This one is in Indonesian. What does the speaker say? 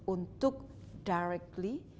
untuk directly memiliki engagement